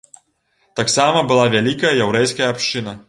Таксама была вялікая яўрэйская абшчына.